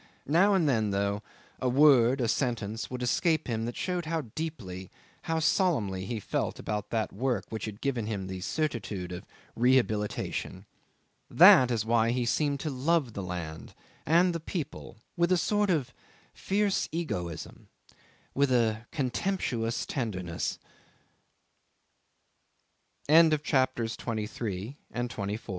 Now and then, though, a word, a sentence, would escape him that showed how deeply, how solemnly, he felt about that work which had given him the certitude of rehabilitation. That is why he seemed to love the land and the people with a sort of fierce egoism, with a contemptuous tenderness.' CHAPTER 25 '"This is where I was prisoner f